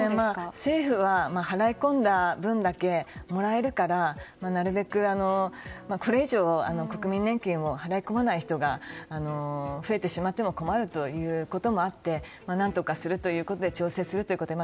政府は、払い込んだ分だけもらえるからこれ以上、国民年金を払い込まない人が増えてしまっても困るということもあって何とかする調整するということで。